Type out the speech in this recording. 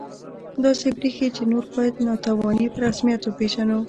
داسې بریښي چې نور باید ناتواني په رسمیت وپېژنو